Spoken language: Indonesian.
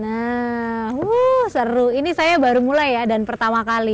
nah seru ini saya baru mulai ya dan pertama kali